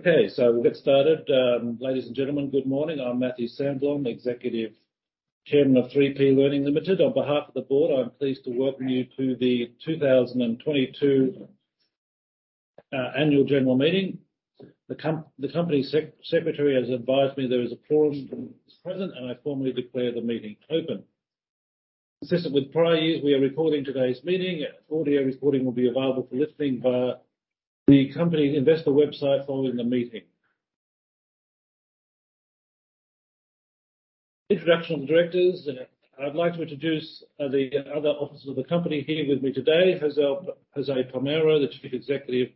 Okay, we'll get started. Ladies and gentlemen, good morning. I'm Matthew Sandblom, Executive Chairman of 3P Learning Limited. On behalf of the board, I'm pleased to welcome you to the 2022 annual general meeting. The company secretary has advised me there is a quorum present, and I formally declare the meeting open. Consistent with prior years, we are recording today's meeting. Audio recording will be available for listening via the company investor website following the meeting. Introduction of the directors. I'd like to introduce the other officers of the company here with me today. Jose Palmero, the Chief Executive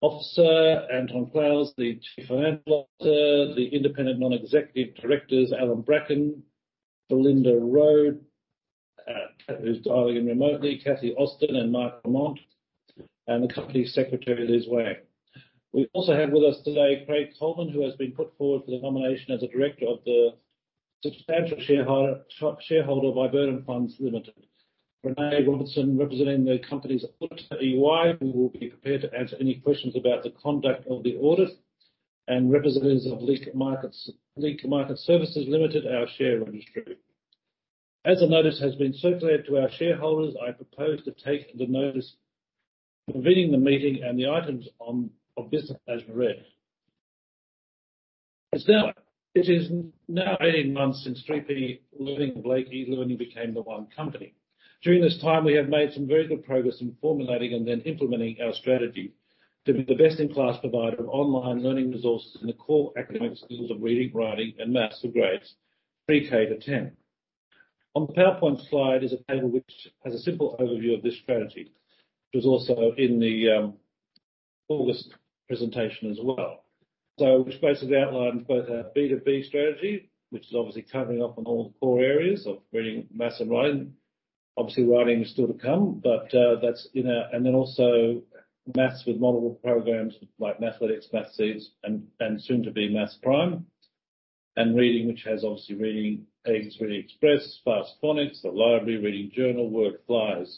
Officer. Anton Clowes, the Chief Financial Officer. The independent non-executive directors, Alan Bracken, Belinda Rowe, who's dialing in remotely, Cathy Austin and Mark Lamont, and the Company Secretary, Liz Wang. We also have with us today Craig Coleman, who has been put forward for the nomination as a director of the substantial shareholder Viburnum Funds Pty Ltd. Renee Robinson, representing the company's auditor, EY, who will be prepared to answer any questions about the conduct of the audit, and representatives of Link Market Services Limited, our share registry. As a notice has been circulated to our shareholders, I propose to take the notice convening the meeting and the items of business as read. It is now 18 months since 3P Learning and Blake eLearning became the one company. During this time, we have made some very good progress in formulating and then implementing our strategy to be the best-in-class provider of online learning resources in the core academic skills of reading, writing, and math for grades pre-K to 10. On the PowerPoint slide is a table which has a simple overview of this strategy, which was also in the August presentation as well, which basically outlines both our B2B strategy, which is obviously covering off on all the core areas of reading, math, and writing. Obviously, writing is still to come. Math with multiple programs like Mathletics, Mathseeds, and soon to be Mathseeds Prime. Reading, which has obviously Reading Eggs, Reading Eggspress, Fast Phonics, the Library, Reading Journal, WordFlyers.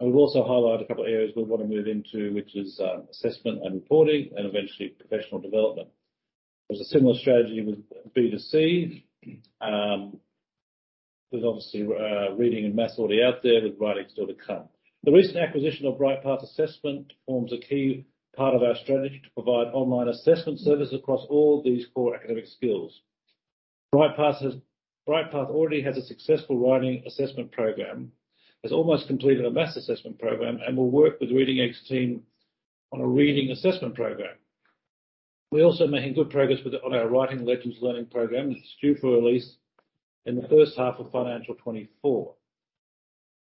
I would also highlight a couple of areas we want to move into, which is assessment and reporting, and eventually professional development. There's a similar strategy with B2C. There's obviously reading and math already out there, with writing still to come. The recent acquisition of Brightpath Assessment forms a key part of our strategy to provide online assessment services across all these core academic skills. Brightpath already has a successful writing assessment program, has almost completed a math assessment program, and will work with Reading Eggs team on a reading assessment program. We're also making good progress on our Writing Legends learning program, which is due for release in the H1 of financial 2024.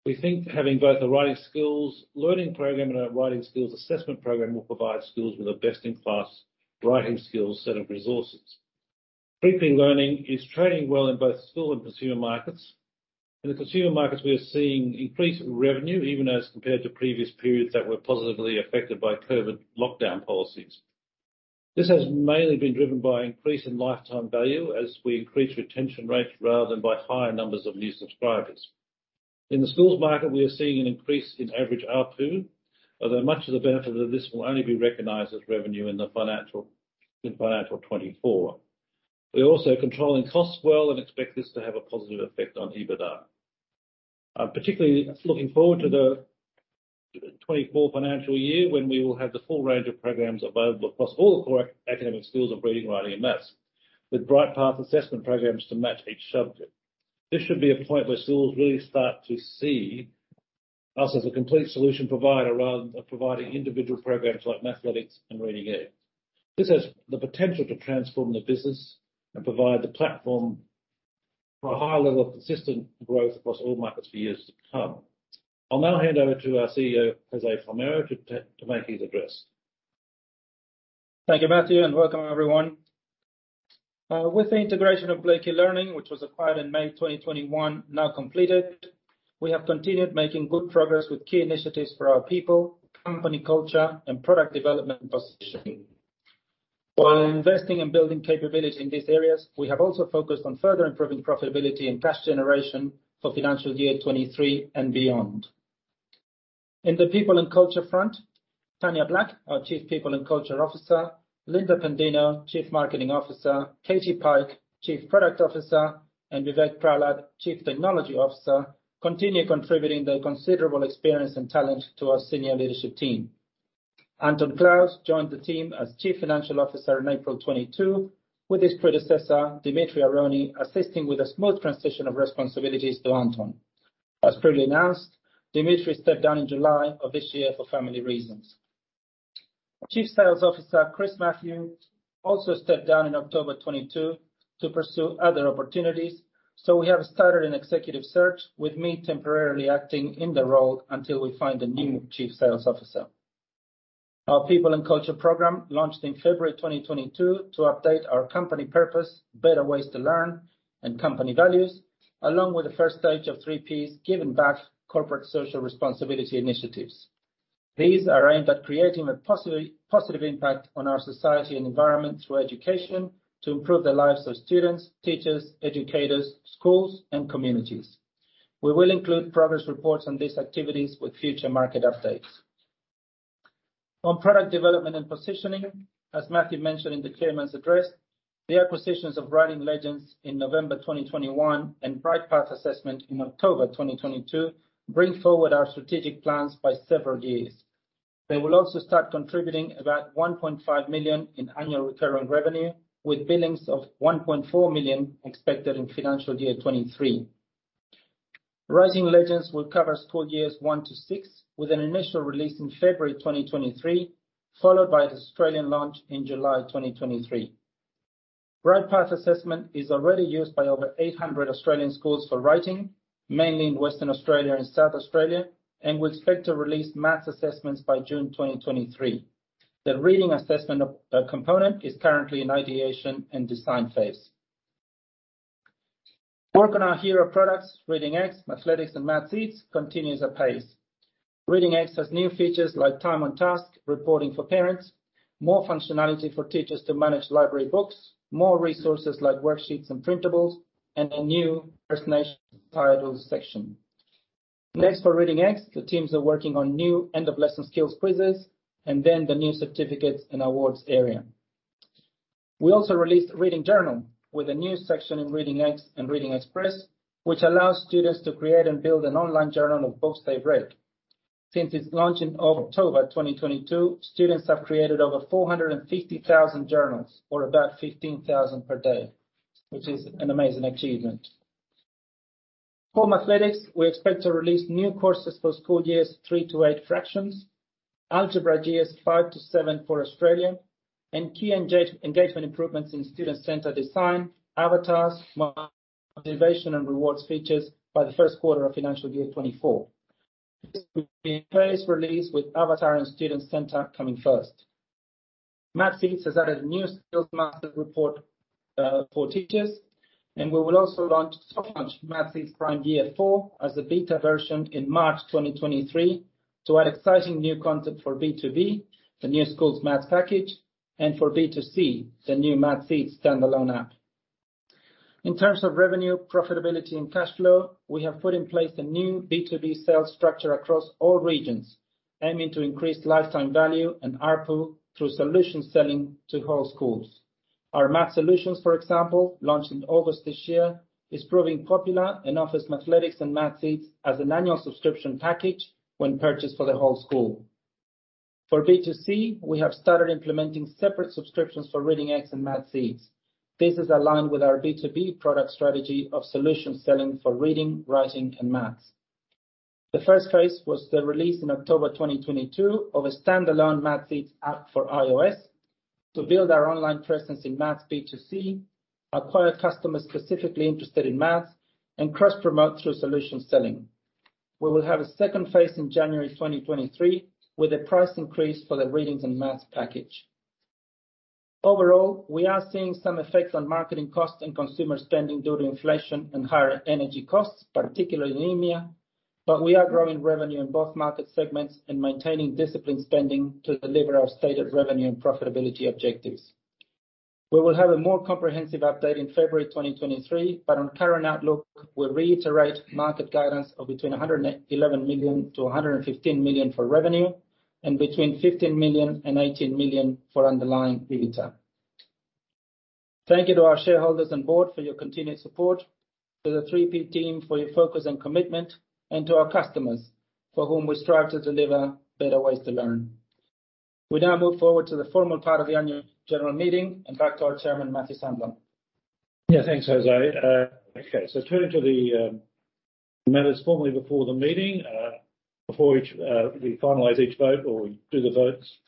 We think having both a writing skills learning program and a writing skills assessment program will provide schools with the best-in-class writing skills set of resources. 3P Learning is trading well in both school and consumer markets. In the consumer markets, we are seeing increased revenue even as compared to previous periods that were positively affected by COVID lockdown policies. This has mainly been driven by increase in lifetime value as we increase retention rates rather than by higher numbers of new subscribers. In the schools market, we are seeing an increase in average ARPU, although much of the benefit of this will only be recognized as revenue in financial 2024. We're also controlling costs well and expect this to have a positive effect on EBITDA. I'm particularly looking forward to the 2024 financial year when we will have the full range of programs available across all the core academic skills of reading, writing, and math, with Brightpath assessment programs to match each subject. This should be a point where schools really start to see us as a complete solution provider rather than providing individual programs like Mathletics and Reading Eggs. This has the potential to transform the business and provide the platform for a higher level of consistent growth across all markets for years to come. I'll now hand over to our CEO, Jose Palmero, to make his address. Thank you, Matthew, and welcome everyone. With the integration of Blake eLearning, which was acquired in May 2021, now completed. We have continued making good progress with key initiatives for our people, company culture, and product development positioning. While investing in building capability in these areas, we have also focused on further improving profitability and cash generation for financial year 2023 and beyond. In the people and culture front, Tania Black, our Chief People and Culture Officer, Lynda Pendino, Chief Marketing Officer, Katy Pike, Chief Product Officer, and Vivek Prahlad, Chief Technology Officer, continue contributing their considerable experience and talent to our senior leadership team. Anton Clowes joined the team as Chief Financial Officer in April 2022, with his predecessor, Dimitri Aroney, assisting with a smooth transition of responsibilities to Anton. As previously announced, Dimitri stepped down in July of this year for family reasons. Chief Sales Officer, Chris Matthew, also stepped down in October 2022 to pursue other opportunities, so we have started an executive search with me temporarily acting in the role until we find a new Chief Sales Officer. Our People and Culture program launched in February 2022 to update our company purpose, better ways to learn, and company values, along with the first stage of 3P's Giving Back corporate social responsibility initiatives. These are aimed at creating a positive impact on our society and environment through education to improve the lives of students, teachers, educators, schools, and communities. We will include progress reports on these activities with future market updates. On product development and positioning, as Matthew mentioned in the chairman's address, the acquisitions of Writing Legends in November 2021 and Brightpath Assessment in October 2022 bring forward our strategic plans by several years. They will also start contributing about 1.5 million in annual recurring revenue, with billings of 1.4 million expected in financial year 2023. Writing Legends will cover school years one to six, with an initial release in February 2023, followed by an Australian launch in July 2023. Brightpath Assessment is already used by over 800 Australian schools for writing, mainly in Western Australia and South Australia, and we expect to release math assessments by June 2023. The reading assessment component is currently in ideation and design phase. Work on our hero products, Reading Eggs, Mathletics, and Mathseeds, continues apace. Reading Eggs has new features like time on task, reporting for parents, more functionality for teachers to manage library books, more resources like worksheets and Printables, and a new First Nations titles section. Next for Reading Eggs, the teams are working on new end-of-lesson skills quizzes, and then the new certificates and awards area. We also released Reading Journal with a new section in Reading Eggs and Reading Eggspress, which allows students to create and build an online journal of books they've read. Since its launch in October 2022, students have created over 450,000 journals or about 15,000 per day, which is an amazing achievement. For Mathletics, we expect to release new courses for school years three-eight fractions, algebra years five-seven for Australia, and key engagement improvements in student center design, avatars, motivation, and rewards features by the first quarter of financial year 2024. This will be a phased release with avatar and student center coming first. Mathseeds has added a new Skills Master report for teachers, and we will also launch Mathseeds Prime Year Four as a beta version in March 2023 to add exciting new content for B2B, the new school's math package, and for B2C, the new Mathseeds standalone app. In terms of revenue, profitability, and cash flow, we have put in place a new B2B sales structure across all regions, aiming to increase lifetime value and ARPU through solution selling to whole schools. Our Math Solutions, for example, launched in August this year, is proving popular and offers Mathletics and Mathseeds as an annual subscription package when purchased for the whole school. For B2C, we have started implementing separate subscriptions for Reading Eggs and Mathseeds. This is aligned with our B2B product strategy of solution selling for reading, writing, and math. The first phase was the release in October 2022 of a standalone Mathseeds app for iOS to build our online presence in math B2C, acquire customers specifically interested in math, and cross-promote through solution selling. We will have a second phase in January 2023 with a price increase for the reading and math package. Overall, we are seeing some effects on marketing costs and consumer spending due to inflation and higher energy costs, particularly in EMEA. We are growing revenue in both market segments and maintaining disciplined spending to deliver our stated revenue and profitability objectives. We will have a more comprehensive update in February 2023, but on current outlook, we reiterate market guidance of between 111 million and 115 million for revenue and between 15 million and 18 million for underlying EBITDA. Thank you to our shareholders and board for your continued support, to the 3P team for your focus and commitment, and to our customers for whom we strive to deliver better ways to learn. We now move forward to the formal part of the Annual General Meeting and back to our Chairman, Matthew Sandblom. Yeah. Thanks, Jose. Turning to the matters formally before the meeting. Before we finalize each vote or do the votes,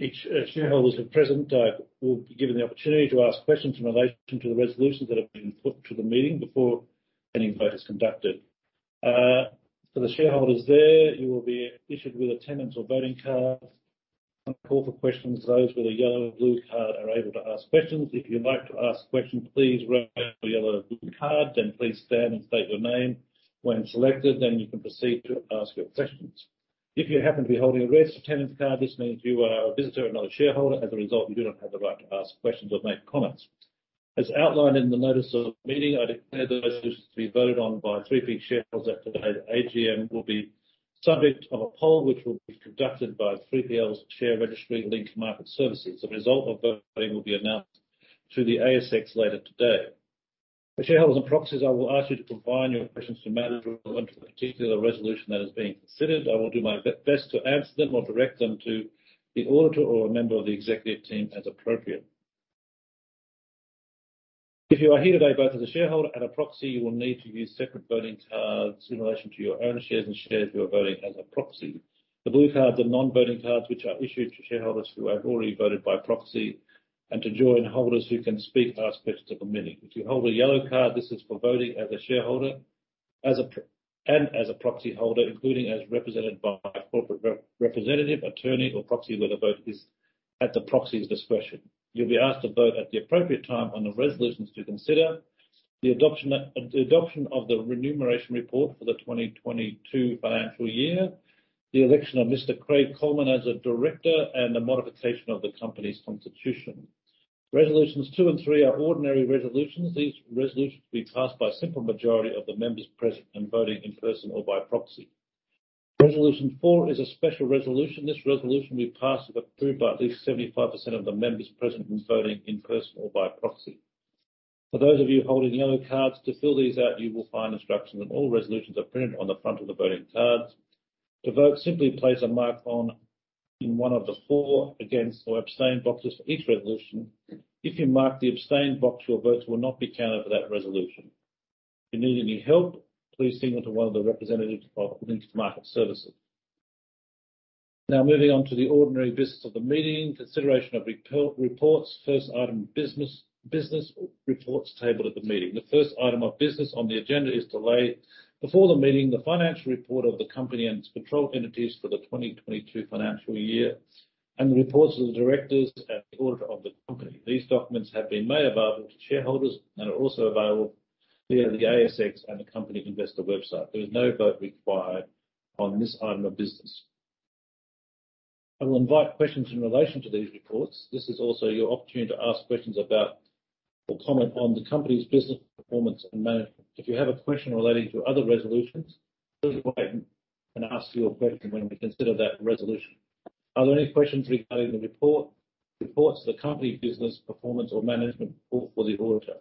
each shareholder present will be given the opportunity to ask questions in relation to the resolutions that have been put to the meeting before any vote is conducted. For the shareholders there, you will be issued with attendance or voting cards. On call for questions, those with a yellow or blue card are able to ask questions. If you'd like to ask questions, please raise your yellow or blue card, then please stand and state your name when selected. You can proceed to ask your questions. If you happen to be holding a red attendance card, this means you are a visitor, not a shareholder. As a result, you do not have the right to ask questions or make comments. As outlined in the notice of meeting, I declare those issues to be voted on by 3P shareholders at today's AGM will be subject to a poll which will be conducted by 3P's share registry, Link Market Services. The result of voting will be announced through the ASX later today. For shareholders on proxies, I will ask you to confine your questions to matters relevant to the particular resolution that is being considered. I will do my best to answer them or direct them to the auditor or a member of the executive team as appropriate. If you are here today, both as a shareholder and a proxy, you will need to use separate voting cards in relation to your own shares and shares you are voting as a proxy. The blue cards are non-voting cards, which are issued to shareholders who have already voted by proxy and to joint holders who can speak and ask questions at the meeting. If you hold a yellow card, this is for voting as a shareholder, and as a proxy holder, including as represented by a corporate representative, attorney, or proxy, where the vote is at the proxy's discretion. You'll be asked to vote at the appropriate time on the resolutions to consider. The adoption of the remuneration report for the 2022 financial year. The election of Mr. Craig Coleman as a director, and the modification of the company's constitution. Resolutions two and three are ordinary resolutions. These resolutions will be passed by simple majority of the members present and voting in person or by proxy. Resolution four is a special resolution. This resolution will be passed if approved by at least 75% of the members present and voting in person or by proxy. For those of you holding yellow cards, to fill these out, you will find instructions on all resolutions are printed on the front of the voting cards. To vote, simply place a mark in one of the four against or abstain boxes for each resolution. If you mark the abstain box, your votes will not be counted for that resolution. If you need any help, please signal to one of the representatives of Link Market Services. Now moving on to the ordinary business of the meeting. Consideration of annual reports. First item of business, reports tabled at the meeting. The first item of business on the agenda is to lay before the meeting the financial report of the company and its controlled entities for the 2022 financial year, and the reports of the directors and the auditor of the company. These documents have been made available to shareholders and are also available via the ASX and the company investor website. There is no vote required on this item of business. I will invite questions in relation to these reports. This is also your opportunity to ask questions about or comment on the company's business performance and management. If you have a question relating to other resolutions, please wait and ask your question when we consider that resolution. Are there any questions regarding the report, reports, the company business performance or management report for the auditor?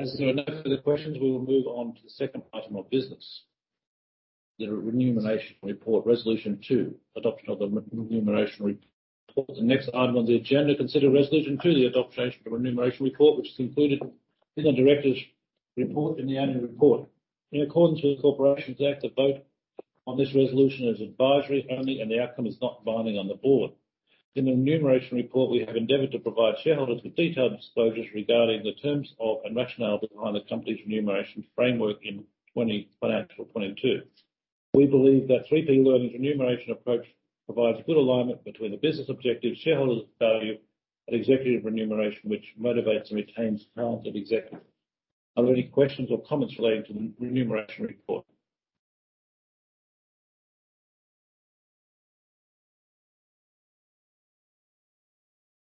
As there are no further questions, we will move on to the second item of business. The Remuneration Report. Resolution two, adoption of the remuneration report. The next item on the agenda, consider Resolution two the adoption of the Remuneration Report, which is included in the Directors' Report in the Annual Report. In accordance with the Corporations Act, the vote on this resolution is advisory only and the outcome is not binding on the board. In the Remuneration Report, we have endeavored to provide shareholders with detailed disclosures regarding the terms of and rationale behind the company's remuneration framework in FY 2022. We believe that 3P Learning's remuneration approach provides good alignment between the business objectives, shareholder value, and executive remuneration, which motivates and retains talented executives. Are there any questions or comments relating to the Remuneration Report?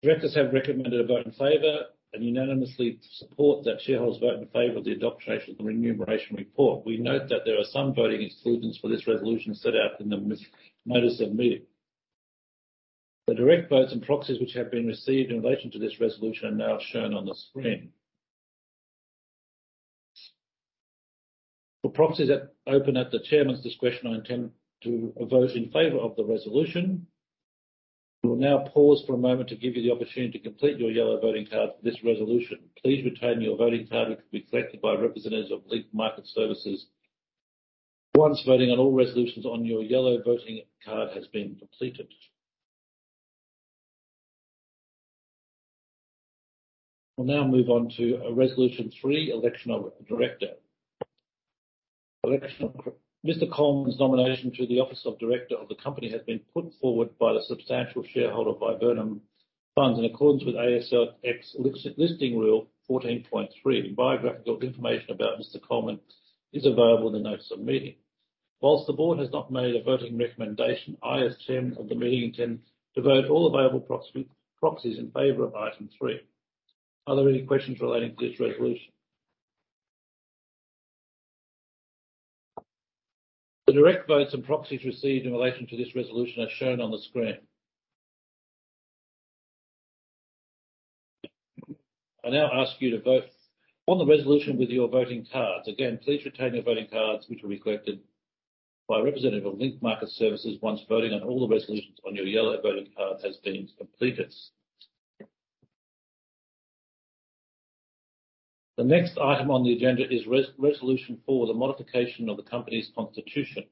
Directors have recommended a vote in favor and unanimously support that shareholders vote in favor of the adoption of the remuneration report. We note that there are some voting exclusions for this resolution set out in the notice of meeting. The direct votes and proxies which have been received in relation to this resolution are now shown on the screen. For proxies that open at the chairman's discretion, I intend to vote in favor of the resolution. We will now pause for a moment to give you the opportunity to complete your yellow voting card for this resolution. Please retain your voting card. It will be collected by a representative of Link Market Services once voting on all resolutions on your yellow voting card has been completed. We'll now move on to resolution three, election of a director. Election of Craig Coleman. Coleman's nomination to the office of director of the company has been put forward by the substantial shareholder Viburnum Funds, in accordance with ASX listing rule 14.3. Biographical information about Mr. Coleman is available in the notice of meeting. While the board has not made a voting recommendation, I, as chairman of the meeting, intend to vote all available proxies in favor of item three. Are there any questions relating to this resolution? The direct votes and proxies received in relation to this resolution are shown on the screen. I now ask you to vote on the resolution with your voting cards. Again, please retain your voting cards, which will be collected by a representative of Link Market Services once voting on all the resolutions on your yellow voting card has been completed. The next item on the agenda is resolution for the modification of the company's constitution.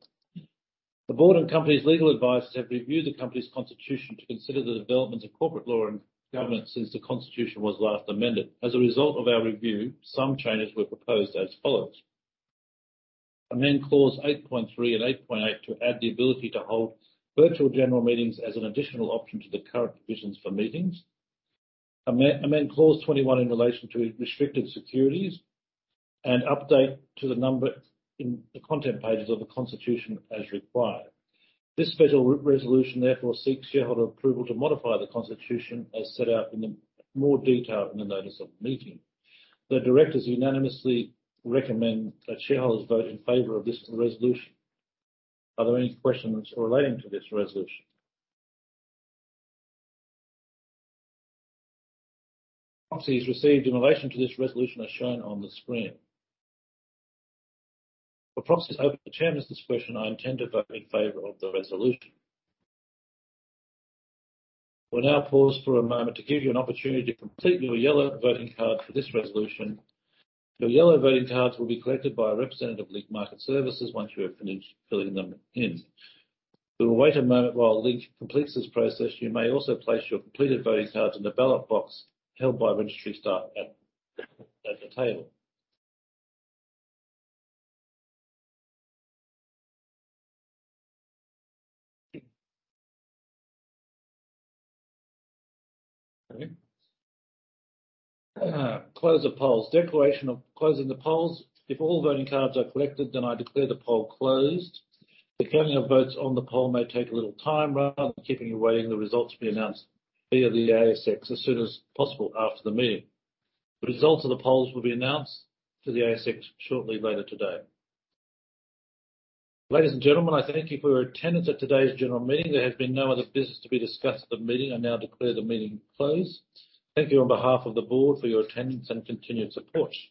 The board and company's legal advisors have reviewed the company's constitution to consider the development of corporate law and governance since the constitution was last amended. As a result of our review, some changes were proposed as follows. Amend clause 8.3 and 8.8 to add the ability to hold virtual general meetings as an additional option to the current provisions for meetings. Amend clause 21 in relation to restricted securities, and update to the number in the content pages of the constitution as required. This special resolution therefore seeks shareholder approval to modify the constitution as set out in more detail in the notice of meeting. The directors unanimously recommend that shareholders vote in favor of this resolution. Are there any questions relating to this resolution? Proxies received in relation to this resolution are shown on the screen. For proxies open to the chairman's discretion, I intend to vote in favor of the resolution. We'll now pause for a moment to give you an opportunity to complete your yellow voting card for this resolution. Your yellow voting cards will be collected by a representative of Link Market Services once you have finished filling them in. We will wait a moment while Link completes this process. You may also place your completed voting cards in the ballot box held by registry staff at the table. Close of polls. Declaration of closing the polls. If all voting cards are collected, then I declare the poll closed. The counting of votes on the poll may take a little time. Rather than keeping you waiting, the results will be announced via the ASX as soon as possible after the meeting. The results of the polls will be announced to the ASX shortly later today. Ladies and gentlemen, I thank you for your attendance at today's general meeting. There has been no other business to be discussed at the meeting. I now declare the meeting closed. Thank you on behalf of the board for your attendance and continued support.